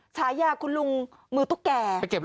ฉายาคุณลุงมือตุ๊กแก่